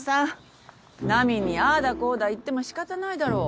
ナミにああだこうだ言っても仕方ないだろう。